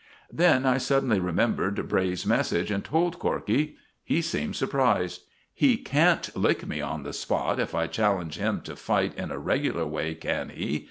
Then I suddenly remembered Bray's message, and told Corkey. He seemed surprised. "He can't lick me on the spot if I challenge him to fight in a regular way, can he?"